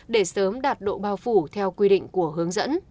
để sớm đạt độ bao phủ theo quy định của hướng dẫn